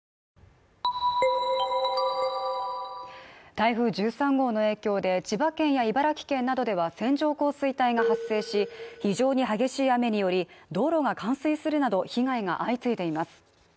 台風１３号の影響で千葉県や茨城県などでは線状降水帯が発生し非常に激しい雨により道路が冠水するなど被害が相次いでいます